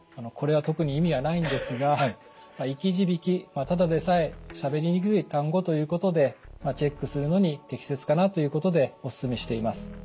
これは特に意味はないんですが「生き字引」ただでさえしゃべりにくい単語ということでチェックするのに適切かなということでお勧めしています。